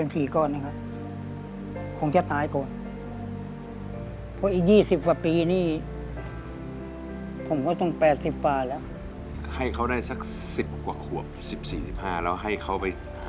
แล้วให้เขาไปหาพ่อเขาได้ไหม